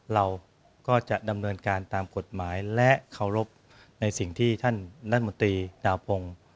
เราก็จะดำเนินการตามกฎหมายและเคารพในสิ่งที่ท่านรัฐมนตรีดาวพงศ์